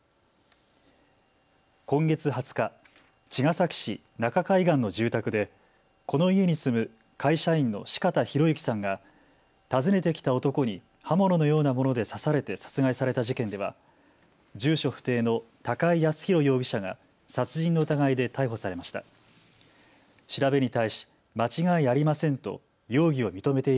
今月２０日、茅ヶ崎市中海岸の住宅でこの家に住む会社員の四方洋行さんが訪ねてきた男に刃物のようなもので刺されて殺害された事件では住所不定の高井靖弘容疑者が殺人の疑いで逮捕されました。